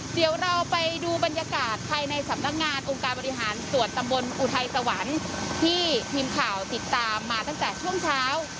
เดี๋ยวเราไปดูบรรยากาศภายในสำนักงานองค์การบริหารส่วนตำบลอุทัยสวรรค์ที่ทีมข่าวติดตามมาตั้งแต่ช่วงเช้า